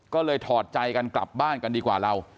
ก็เลยถอดใจกันกลับบ้านกันดีกว่าเรา